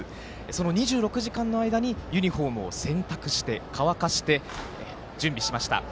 ２６時間の間にユニフォームを選択して乾かして準備しました。